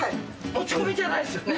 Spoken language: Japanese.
持ち込みじゃないですよね？